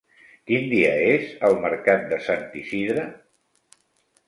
Quin dia és el mercat de Sant Isidre?